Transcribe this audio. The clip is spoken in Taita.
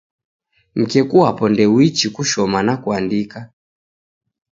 Mkeku wapo ndouichi kushoma na kuandika